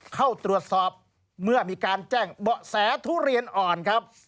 เข้าตรวจสอบเมื่อมีการแจ้งเบาะแสทุเรียนอ่อนครับ